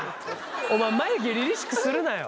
お前眉毛りりしくするなよ！